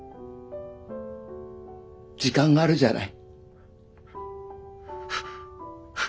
時間があるじゃない。